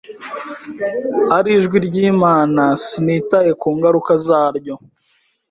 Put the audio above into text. ari ijwi ryImana sinitaye ku ngaruka zaryo